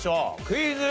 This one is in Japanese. クイズ。